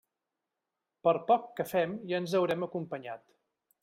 Per poc que fem ja ens haurem acompanyat.